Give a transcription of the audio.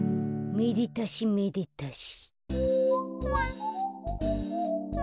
めでたしめでたし。